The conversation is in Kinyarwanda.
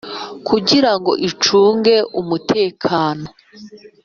kugira ngo icunge umutekano.